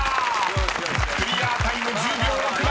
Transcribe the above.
［クリアタイム１０秒６７］